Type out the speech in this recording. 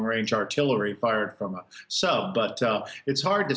saya menganggap ini sebuah kegagalan